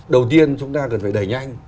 đầu tiên chúng ta cần phải đẩy nhanh